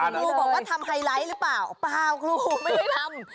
ครูบอกว่าทำไฮไลท์หรือเปล่าเปล่าครูไม่ได้ทำ